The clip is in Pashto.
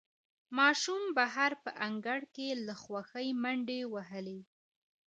ماشوم بهر په انګړ کې له خوښۍ منډې وهلې